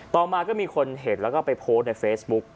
ต่อมาก็มีคนเห็นแล้วก็ไปโพสต์ในเฟซบุ๊ก